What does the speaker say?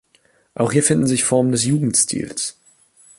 Auch hier finden sich Formen des Jugendstils.